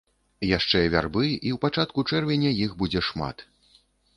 Яшчэ вярбы, і ў пачатку чэрвеня іх будзе шмат.